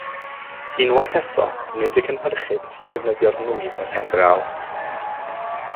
Unwaith eto, nid y cynhyrchydd sy'n defnyddio'r nwydd yn y pen draw.